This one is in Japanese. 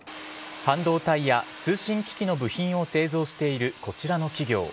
半導体や通信機器の部品を製造しているこちらの企業。